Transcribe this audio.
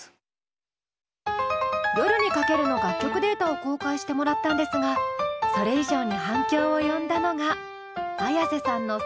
「夜に駆ける」の楽曲データを公開してもらったんですがそれ以上に反響を呼んだのがＡｙａｓｅさんの制作環境。